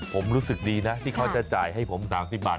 ผมรู้สึกดีนะที่เขาจะจ่ายให้ผม๓๐บาท